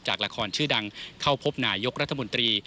ละครชื่อดังเข้าพบนายกรัฐมนตรี